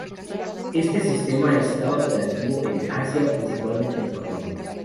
Este sistema esta operativo en Asia, principalmente en Japón.